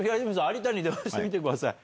有田に電話してみてください。